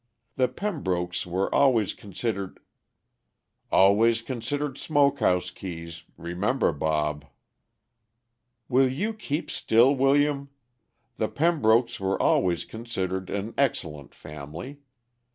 The Pembrokes were always considered " "Always considered smoke house keys remember, Bob." "Will you keep still, William? The Pembrokes were always considered an excellent family.